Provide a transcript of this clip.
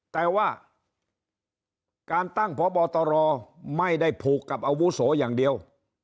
แต่ว่าการตั้งพบตรไม่ได้ผูกกับอาวุโสอย่างเดียว